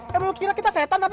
kamu kira kita setan tapi